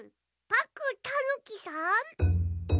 パックンたぬきさん？